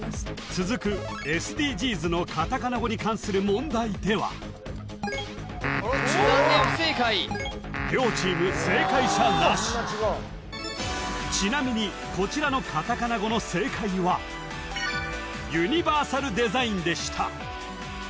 続くＳＤＧｓのカタカナ語に関する問題では残念不正解両チーム正解者なしちなみにこちらのカタカナ語の正解はでした